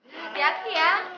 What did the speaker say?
terima kasih ya